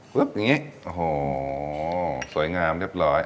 อย่างนี้โอ้โหสวยงามเรียบร้อย